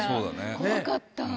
怖かった。